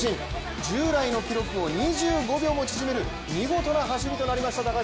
従来の記録を２５秒も縮める見事な走りとなりました。